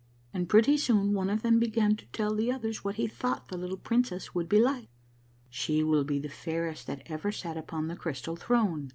And pretty soon one of them began to tell the others what he thought the little princess would be like. 'She will be the fairest that ever sat upon the crystal throne.